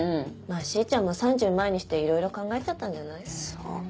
しーちゃんも３０前にしていろいろ考えちゃったんじゃない。